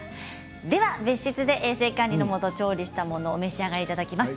では別室で衛生管理のもと調理したものをお召し上がりいただきます。